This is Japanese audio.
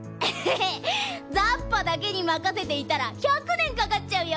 ザッパだけにまかせていたら１００ねんかかっちゃうよ。